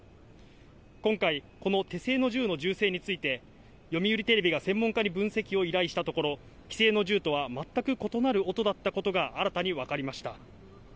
今回、この手製の銃の銃声について、読売テレビが専門家に分析を依頼したところ、既成の銃とは全く異なる音だったことが新たに分かりました。